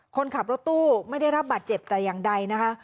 คนขับรถตู้ไม่ได้รับบาดเจ็บแต่อย่างใดนะคะ